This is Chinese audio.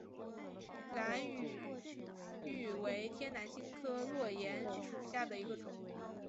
兰屿芋为天南星科落檐属下的一个种。